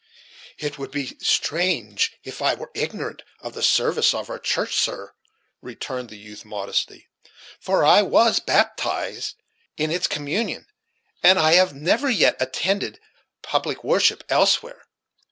"It would be strange if I were ignorant of the service of our church, sir," returned the youth modestly; "for I was baptized in its communion and I have never yet attended public worship elsewhere.